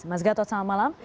mas gatot selamat malam